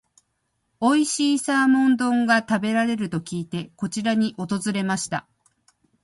おいしいサーモン丼が食べれると聞いて、こちらに訪れました。